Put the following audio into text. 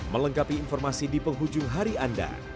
melengkapi informasi di penghujung hari anda